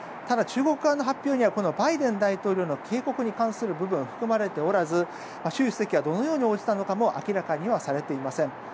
ただ中国側の発表にはバイデン大統領への警告に関する部分は含まれておらず習主席はどのように応じたかも明らかにはされておりません。